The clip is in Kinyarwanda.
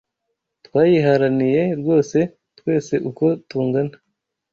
Twayiharaniye rwose twese uko tungana